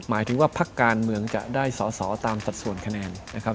หมายถึงว่าพักการเมืองจะได้สอสอตามสัดส่วนคะแนนนะครับ